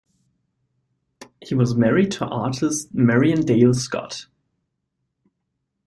He was married to artist Marian Dale Scott.